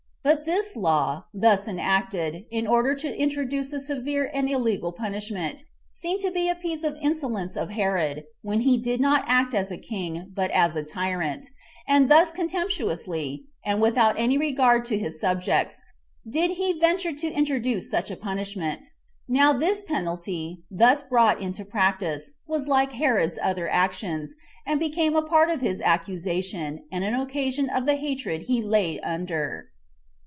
But this law, thus enacted, in order to introduce a severe and illegal punishment, seemed to be a piece of insolence of Herod, when he did not act as a king, but as a tyrant, and thus contemptuously, and without any regard to his subjects, did he venture to introduce such a punishment. Now this penalty, thus brought into practice, was like Herod's other actions, and became a part of his accusation, and an occasion of the hatred he lay under.